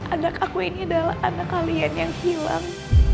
anak aku ini adalah anak kalian yang hilang